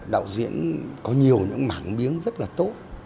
đạo diễn có nhiều những mảng biếng rất là tốt